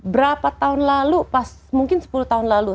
berapa tahun lalu pas mungkin sepuluh tahun lalu